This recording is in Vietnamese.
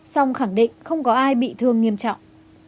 song khẳng định không có ai bị thương nghiêm trọng